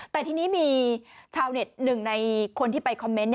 แต่ทีนี้มีชาวเน็ตหนึ่งในคนที่ไปคอมเมนต์